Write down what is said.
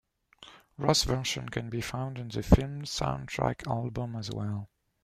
Ross' version can be found on the film's soundtrack album as well.